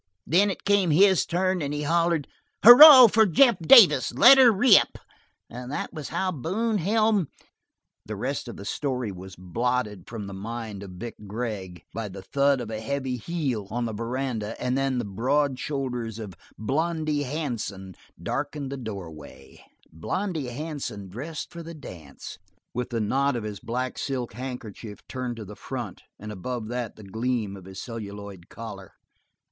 Then it came his turn and he hollered: 'Hurrah for Jeff Davis; let her rip!' That was how Boone Helm " The rest of the story was blotted from the mind of Vic Gregg by the thud of a heavy heel on the veranda, and then the broad shoulders of Blondy Hansen darkened the doorway, Blondy Hansen dressed for the dance, with the knot of his black silk handkerchief turned to the front and above that the gleam of his celluloid collar.